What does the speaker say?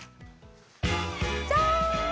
じゃーん！